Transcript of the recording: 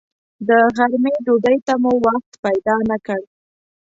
د غرمې ډوډۍ ته مو وخت پیدا نه کړ.